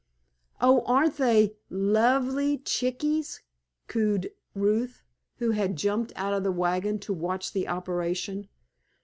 "Oh, aren't they lovely chickies?" cooed Ruth, who had jumped out of the wagon to watch the operation.